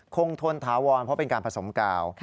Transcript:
ทนถาวรเพราะเป็นการผสมกาว